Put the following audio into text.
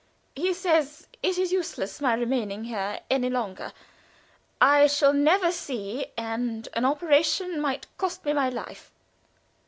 He says it is useless my remaining here any longer. I shall never see, and an operation might cost me my life!"